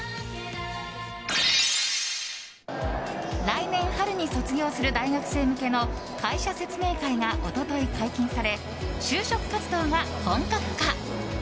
来年春に卒業する大学生向けの会社説明会が一昨日解禁され就職活動が本格化。